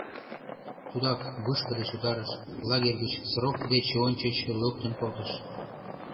— Тудак вышка деч утарыш, лагерь гыч срок деч ончыч луктын колтыш...